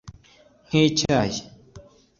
nk’icyayi